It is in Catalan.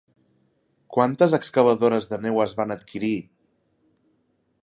Quantes excavadores de neu es van adquirir?